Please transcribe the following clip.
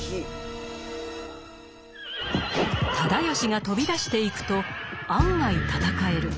直義が飛び出していくと案外戦える。